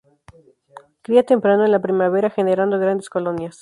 Cría temprano en la primavera, generando grandes colonias.